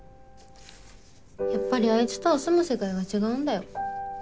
やっぱりあいつとは住む世界が違うんだよ。